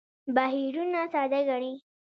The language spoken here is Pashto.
بهیرونه ساده ګڼي.